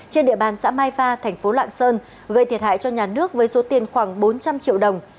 trên địa bàn xã mai pha thành phố lạng sơn gây thiệt hại cho nhà nước với số tiền khoảng bốn trăm linh triệu đồng